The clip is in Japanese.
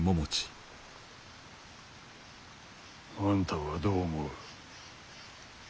あんたはどう思う？